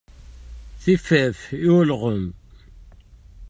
Tifaf i ulɣem.